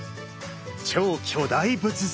超巨大仏像。